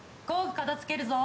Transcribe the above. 片づけるぞ。